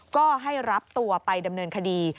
ก็ให้รับตัวไปดำเนินคดี